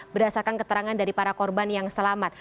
berdasarkan keterangan dari para korban yang selamat